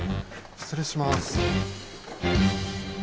失礼します。